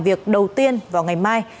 việc đầu tiên vào ngày mai